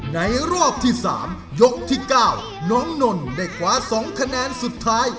ในรอบที่สามยกที่เก้าน้องนนท์ได้ขวาสองคะแนนสุดท้าย